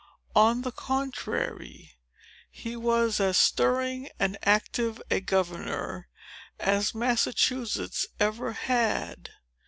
On the contrary, he was as stirring and active a governor as Massachusetts ever had.